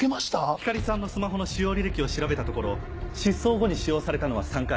光莉さんのスマホの使用履歴を調べたところ失踪後に使用されたのは３回。